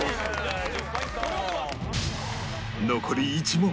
残り１問